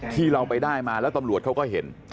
ที่เราไปได้มาแล้วตำรวจเขาก็เห็น